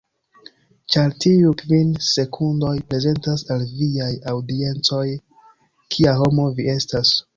Ĉar tiuj kvin sekundoj, prezentas al viaj aŭdienco kia homo vi estas.